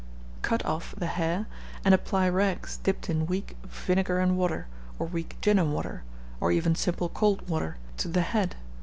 Cut off the hair, and apply rags dipped in weak vinegar and water, or weak gin and water, or even simple cold water, to the head.